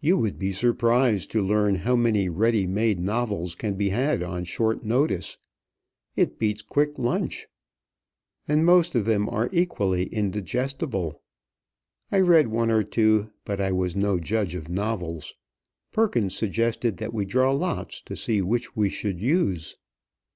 You would be surprised to learn how many ready made novels can be had on short notice. It beats quick lunch. And most of them are equally indigestible. I read one or two, but I was no judge of novels. Perkins suggested that we draw lots to see which we should use.